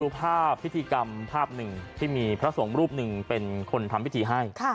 ภาพพิธีกรรมภาพหนึ่งที่มีพระสงฆ์รูปหนึ่งเป็นคนทำพิธีให้